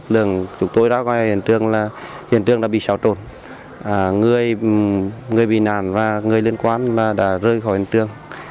xe buýt gây ra vụ tai nạn và người liên quan đã rơi khỏi hiện trường